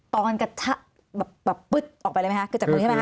ป้อนกระชาปุ๊ยออกไปเลยไหมครับ